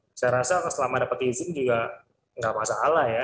saya rasa selama dapat izin juga nggak masalah ya